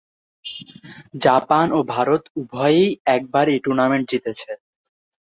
Japan ও ভারত উভয়েই একবার এই টুর্নামেন্ট জিতেছে।